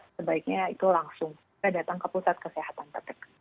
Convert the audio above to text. sebaiknya itu langsung kita datang ke pusat kesehatan kpk